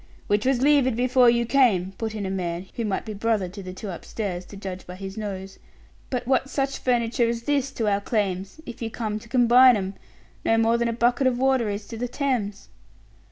"Which was levied before you came," put in a man who might be brother to the two upstairs, to judge by his nose. "But what's such furniture as this to our claims if you come to combine 'em? No more than a bucket of water is to the Thames."